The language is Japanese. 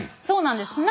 そうなんです。